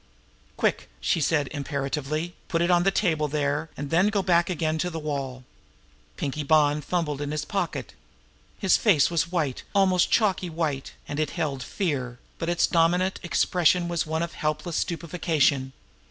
"Quick!" she said imperatively. "Put it on the table there, and then go back again to the wall!" Pinkie Bonn fumbled in his pocket. His face was white, almost chalky white, and it held fear; but its dominant expression was one of helpless stupefaction.